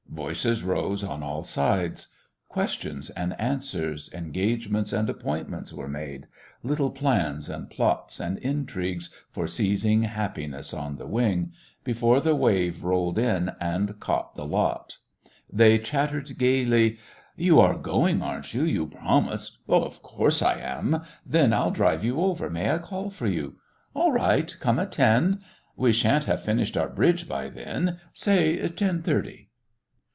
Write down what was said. Voices rose on all sides. Questions and answers, engagements and appointments were made, little plans and plots and intrigues for seizing happiness on the wing before the wave rolled in and caught the lot. They chattered gaily: "You are going, aren't you? You promised " "Of course I am." "Then I'll drive you over. May I call for you?" "All right. Come at ten." "We shan't have finished our bridge by then. Say ten thirty."